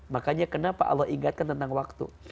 makanya kenapa allah ingatkan tentang waktu